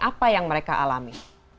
apa yang mereka alami